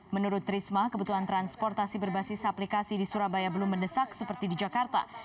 menurut risma kebutuhan transportasi berbasis aplikasi di surabaya belum mendesak seperti di jakarta